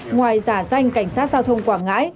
ngoài giả danh cảnh sát giao thông quảng ngãi